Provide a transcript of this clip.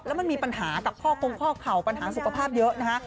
แล้วมันมีปัญหากับข้อคงข้อเข่าปัญหาสุขภาพเยอะนะฮะ